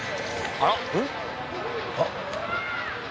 あっ！